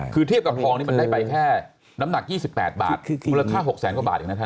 คือเทียบกับทองนี้มันได้ไปแค่น้ำหนัก๒๘บาทมูลค่า๖แสนกว่าบาทเองนะท่าน